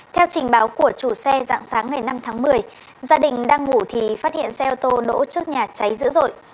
theo trình báo của chủ xe dạng sáng ngày năm tháng một mươi gia đình đang ngủ thì phát hiện xe ô tô đỗ trước nhà cháy dữ dội